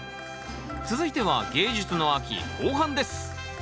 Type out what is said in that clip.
続いては芸術の秋後半です